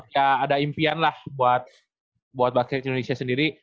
ya ada impian lah buat baket indonesia sendiri